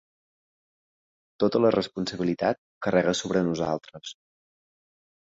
Tota la responsabilitat carrega sobre nosaltres.